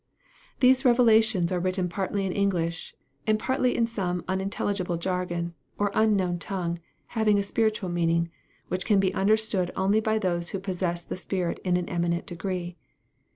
These "revelations" are written partly in English, and partly in some unintelligible jargon, or unknown tongue, having a spiritual meaning, which can be understood only by those who possess the spirit in an eminent degree.